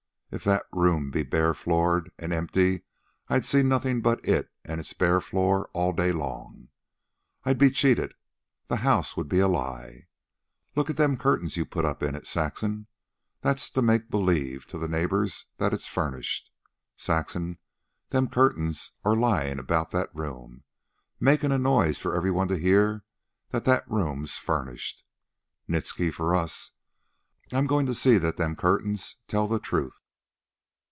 If that room'd be bare floored an' empty, I'd see nothin' but it and its bare floor all day long. I'd be cheated. The house'd be a lie. Look at them curtains you put up in it, Saxon. That's to make believe to the neighbors that it's furnished. Saxon, them curtains are lyin' about that room, makin' a noise for every one to hear that that room's furnished. Nitsky for us. I'm goin' to see that them curtains tell the truth."